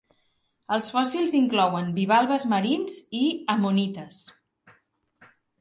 Els fòssils inclouen bivalves marins i ammonites.